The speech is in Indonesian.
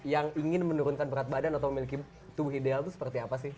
yang ingin menurunkan berat badan atau memiliki tubuh ideal itu seperti apa sih